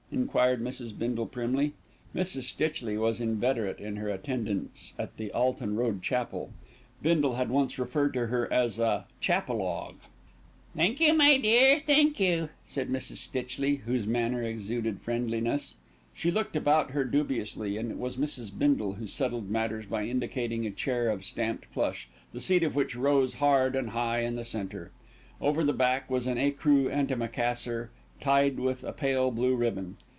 enquired Mrs. Bindle primly. Mrs. Stitchley was inveterate in her attendance at the Alton Road Chapel; Bindle had once referred to her as "a chapel 'og." "Thank you, my dear, thank you," said Mrs. Stitchley, whose manner exuded friendliness. She looked about her dubiously, and it was Mrs. Bindle who settled matters by indicating a chair of stamped plush, the seat of which rose hard and high in the centre. Over the back was an ecru antimacassar, tied with a pale blue ribbon.